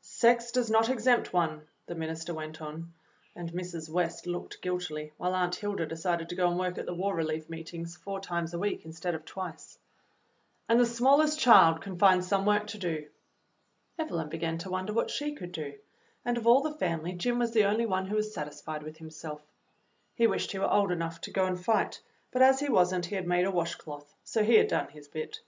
"Sex does not exempt one," the minister went on, and Mrs. West looked guilty, while Aunt Hilda de cided to go and work at the War Relief meetings four times a week instead of twice. "And the smallest child can find some work to do." Evelyn began to wonder what she could do, and of all the family Jim was the only one who was sat isfied with himself. He wished he were old enough to go and fight, but as he was n't, he had made a washcloth, so he had done his bit.